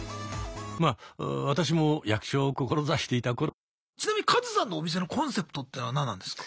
ま私も役者を志していた頃ちなみにカズさんのお店のコンセプトっていうのは何なんですか？